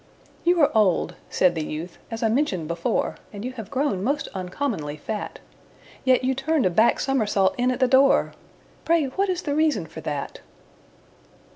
"You are old," said the youth, "as I mentioned before, And you have grown most uncommonly fat; Yet you turned a back somersault in at the door Pray what is the reason for that?"